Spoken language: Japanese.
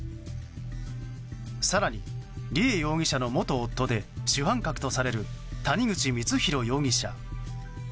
更に、梨恵容疑者の元夫で主犯格とされる谷口光弘容疑者。